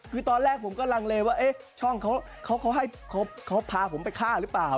คือตอนแรกผมก็ลังเลว่าเค้าพาผมไปฆ่าต้องรึเปล่า